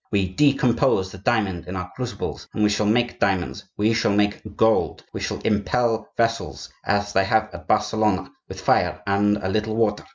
We decompose the diamond in our crucibles, and we shall make diamonds, we shall make gold! We shall impel vessels (as they have at Barcelona) with fire and a little water!